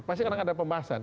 pasti karena ada pembahasan